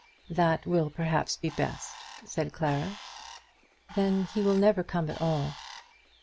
"That will perhaps be best," said Clara. "Then he will never come at all."